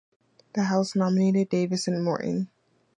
The House nominated Davis and Morton.